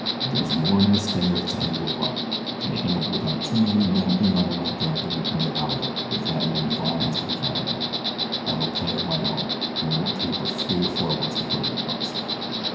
There's more in this thing if it's handled right, and handled without too many men in on the whack up than we can get out of it if that man Divine has to be counted in. I've a plan of my own, an' it won't take but three or four of us to put it across.